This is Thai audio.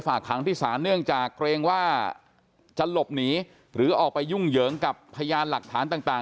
ขังที่ศาลเนื่องจากเกรงว่าจะหลบหนีหรือออกไปยุ่งเหยิงกับพยานหลักฐานต่าง